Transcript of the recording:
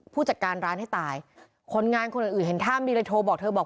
ผู้จัดการร้านให้ตายคนงานคนอื่นอื่นเห็นท่ามีเลยโทรบอกเธอบอก